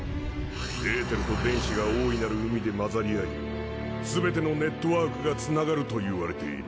エーテルと電子が大いなる海で混ざり合い全てのネットワークがつながるといわれている。